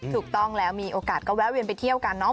ถูกต้องแล้วมีโอกาสก็แวะเวียนไปเที่ยวกันเนาะ